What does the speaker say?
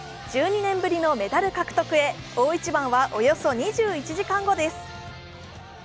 １２年ぶりのメダル獲得へ大一番はおよそ２１時間後です。